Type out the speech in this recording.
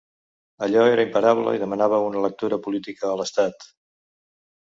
Allò era imparable i demanava una lectura política a l’estat.